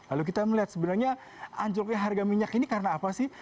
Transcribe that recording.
lalu kita melihat sebenarnya anjloknya harga minyak ini karena apa sih